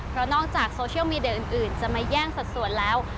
เพราะนอกจากโซเชียลมีเดียอื่นจะมาแย่งสัดส่วนแล้ว